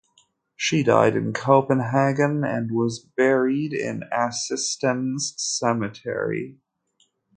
She died in Copenhagen and was buried in Assistens Cemetery.